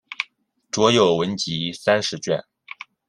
着有文集三十卷。